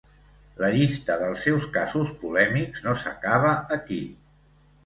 La llista dels seus casos polèmics no s’acaba aquí.